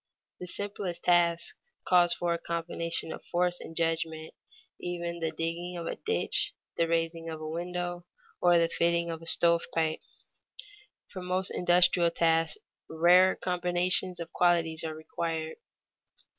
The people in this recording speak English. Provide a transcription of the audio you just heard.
_ The simplest task calls for a combination of force and judgment, even the digging of a ditch, the raising of a window, or the fitting of a stovepipe. For most industrial tasks rarer combinations of qualities are required.